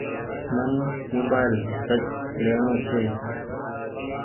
من موبآئيل ٽچ ليڻو ڇي۔